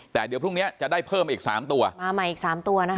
แต่เดี๋ยวพรุ่งนี้จะได้เพิ่มอีก๓ตัวมาใหม่อีก๓ตัวนะครับ